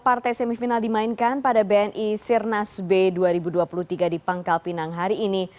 partai semifinal dimainkan pada bni sirnas b dua ribu dua puluh tiga di pangkal pinang hari ini